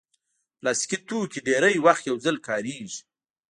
پلاستيکي توکي ډېری وخت یو ځل کارېږي.